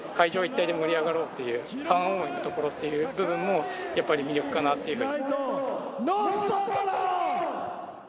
一体で盛り上がろうっていうファン思いなところっていう部分もやっぱり魅力かなっていう。